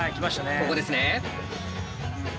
ここです。